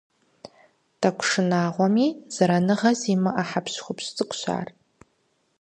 Тӏэкӏу шынагъуэми, зэраныгъэ зимыӀэ хьэпщхупщ цӀыкӀущ ар.